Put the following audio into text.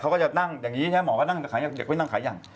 เขาก็จะนั่งอย่างนี้หมอก็นั่งอย่างนี้ไม่นั่งขายอย่าง